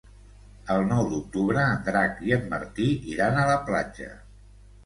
El nou d'octubre en Drac i en Martí iran a la platja.